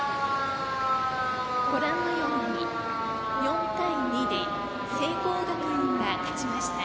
ご覧のように４対２で聖光学院が勝ちました。